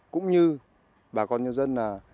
cũng như bà con dân là